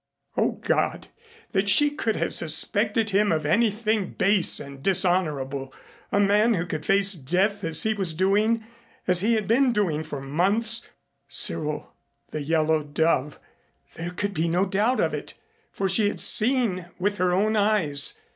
O God! That she should have suspected him of anything base and dishonorable a man who could face death as he was doing, as he had been doing for months. Cyril the Yellow Dove. There could be no doubt of it, for she had seen with her own eyes.